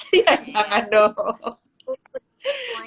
ya jangan dong